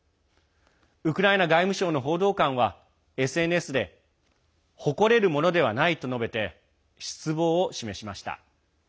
ウクライナ外務省の報道官はＳＮＳで誇れるものではないと述べて失望を示しました。